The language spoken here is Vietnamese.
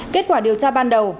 kết quả điều tra ban đầu